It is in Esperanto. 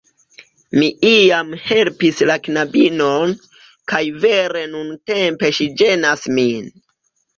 Mi iam helpis la knabinon, kaj vere nuntempe ŝi ĝenas min.